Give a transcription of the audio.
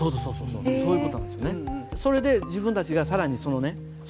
そういう事なんですね。